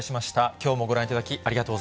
きょうもご覧いただきありがとう